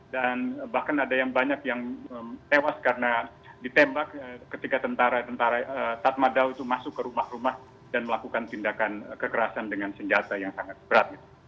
dan bahkan ada yang banyak yang tewas karena ditembak ketika tentara tentara tatmadaw itu masuk ke rumah rumah dan melakukan tindakan kekerasan dengan senjata yang sangat berat